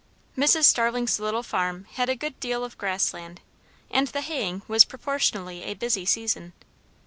Mrs. Starling's little farm had a good deal of grass land; and the haying was proportionally a busy season.